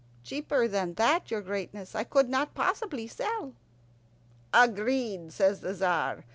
Cheaper than that, your greatness, I could not possibly sell." "Agreed," says the Tzar.